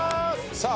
さあ